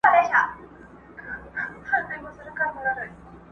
ټولي نړۍ ته کرونا ببر یې!.